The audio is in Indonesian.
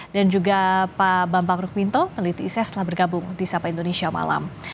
dan juga pak bambang rukminto meliti iss telah bergabung di sapa indonesia malam